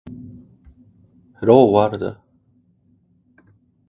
Hello World!